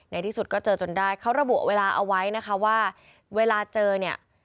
ในที่สุดก็เจอจนได้เขาระบุเวลาเอาไว้นะคะว่าเวลาเจอเนี่ย